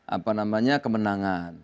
apa namanya kemenangan